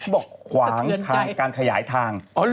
บอกขวางการขยายทาง